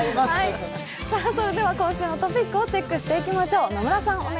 それでは今週もトピックをチェックしていきましょう。